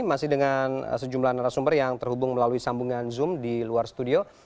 masih dengan sejumlah narasumber yang terhubung melalui sambungan zoom di luar studio